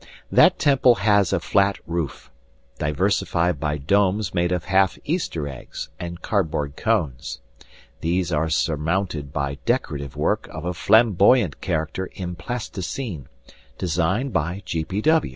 That temple has a flat roof, diversified by domes made of half Easter eggs and cardboard cones. These are surmounted by decorative work of a flamboyant character in plasticine, designed by G.